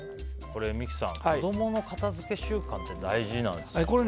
三木さん、子供の片付け習慣って大事なんですね。